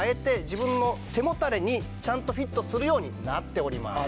自分の背もたれにちゃんとフィットするようになっております。